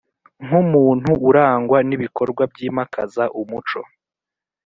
nk umuntu urangwa n ibikorwa byimakaza umuco